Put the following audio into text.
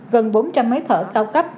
gần bốn trăm linh máy thở cao cấp